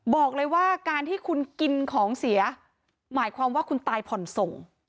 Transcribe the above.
บอกเลยว่าการที่คุณกินของเสียหมายความว่าคุณตายผ่อนส่ง